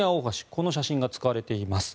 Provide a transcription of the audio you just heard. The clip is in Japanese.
この写真が使われています。